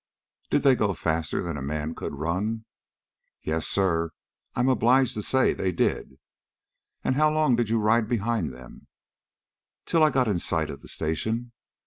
"Did they go faster than a man could run?" "Yes, sir, I am obliged to say they did." "And how long did you ride behind them?" "Till I got in sight of the station."